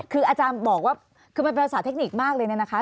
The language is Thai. คืออาจารย์บอกว่าคือมันเป็นบริษัทเทคนิคมากเลยนะคะ